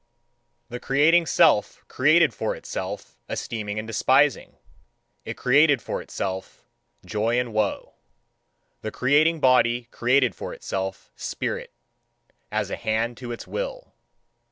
The creating Self created for itself esteeming and despising, it created for itself joy and woe. The creating body created for itself spirit, as a hand to its will.